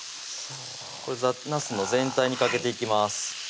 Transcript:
これざっとなすの全体にかけていきます